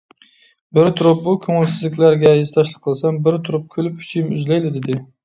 بىر تۇرۇپ بۇ كۆڭۈلسىزلىكلەرگە ھېسداشلىق قىلسام، بىر تۇرۇپ كۈلۈپ ئۈچىيىم ئۈزۈلەيلا دېدى.